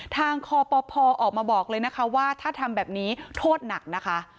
ทางคอปภออกมาบอกเลยนะคะว่าถ้าทำแบบนี้โทษหนักนะคะ